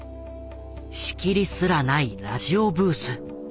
仕切りすらないラジオブース。